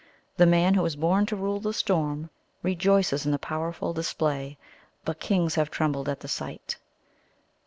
The man who is born to rule the storm rejoices in the powerful display; but kings have trembled at the sight.